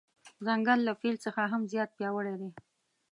ځنګل له فیل څخه هم زیات پیاوړی دی.